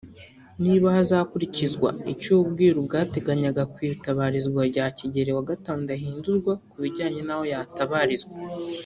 niba hazakurikizwa icyo ubwiru bwateganyaga ku itabarizwa rya Kigeli V Ndahindurwa ku bijyanye n’aho yatabarizwa